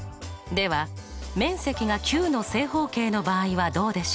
では面積が９の正方形の場合はどうでしょうか。